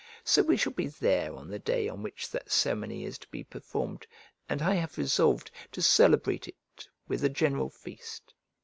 So we shall be there on the day on which that ceremony is to be performed, and I have resolved to celebrate it with a general feast.